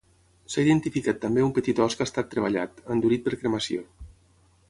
S'ha identificat també un petit ós que ha estat treballat: endurit per cremació.